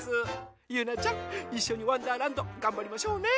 ゆうなちゃんいっしょに「わんだーらんど」がんばりましょうね！